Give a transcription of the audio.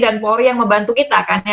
dan polri yang membantu kita karena